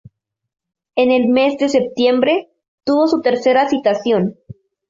En el mes de septiembre, tuvo su tercera citación.